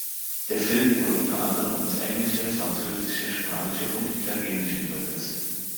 Der Film wurde unter anderem ins Englische, Französische, Spanische und Italienische übersetzt.